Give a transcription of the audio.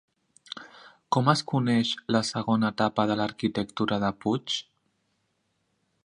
Com es coneix la segona etapa de l'arquitectura de Puig?